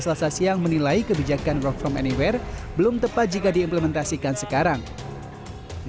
selasa siang menilai kebijakan work from anywhere belum tepat jika diimplementasikan sekarang di